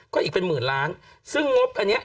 ก็อีกเป็นหมื่นล้านซึ่งงบอันเนี้ย